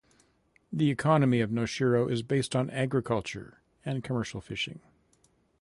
The economy of Noshiro is based on agriculture and commercial fishing.